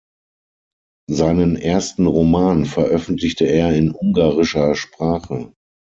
Seinen ersten Roman veröffentlichte er in ungarischer Sprache.